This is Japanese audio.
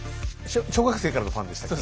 小学生からのファンでしたっけ？